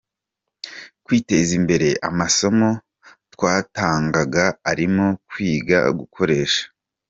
kwiteza imbere, amasomo twatangaga arimo kwiga gukoresha.